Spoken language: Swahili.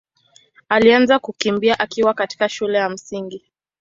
alianza kukimbia akiwa katika shule ya Msingi.